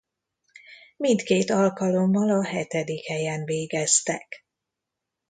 Mindkét alkalommal a hetedik helyen végeztek.